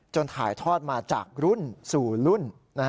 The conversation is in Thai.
ถ่ายทอดมาจากรุ่นสู่รุ่น